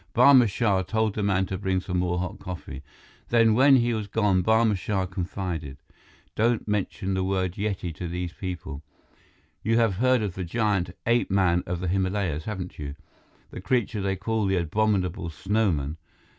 Barma Shah told the man to bring some more hot coffee. Then, when he was gone, Barma Shah confided: "Don't mention the word Yeti to these people. You have heard of the giant ape man of the Himalayas, haven't you? The creature they call the Abominable Snowman?